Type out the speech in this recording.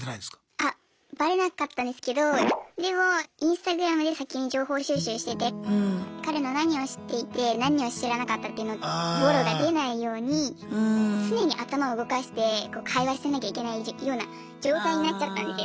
あバレなかったんですけどでもＩｎｓｔａｇｒａｍで先に情報収集してて彼の何を知っていて何を知らなかったっていうのをボロが出ないように常に頭を動かして会話してなきゃいけないような状態になっちゃったんですよ。